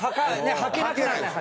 はけないです！